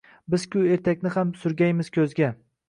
Biz-ku ertakni ham surgaymiz ko’zga